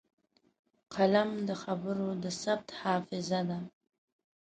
قلم د خبرو د ثبت حافظه ده